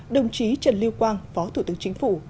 đồng chí trần lưu quang phó thủ tướng chính phủ